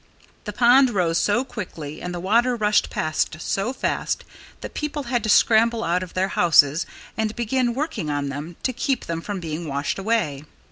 The pond rose so quickly and the water rushed past so fast that people had to scramble out of their houses and begin working on them, to keep them from being washed away.